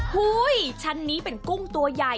หุ้ยชั้นนี้เป็นกุ้งตัวยาน